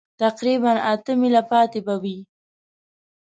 تقریباً اته مېله پاتې به وي.